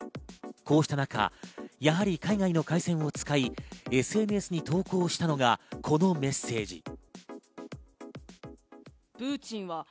こうした中、やはり海外の回線を使い、ＳＮＳに投稿したのがこのメッセージ。